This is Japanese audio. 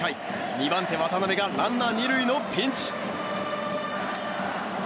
２番手、渡辺がランナー２塁のピンチ。